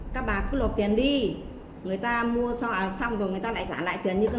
còn tại sao